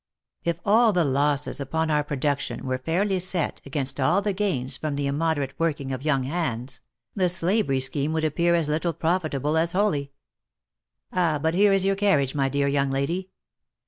If all the losses upon our production were fairly set against all the gains from the immoderate working of young hands, the slavery scheme would appear as little profitable as holy. But here is your carriage, my dear young lady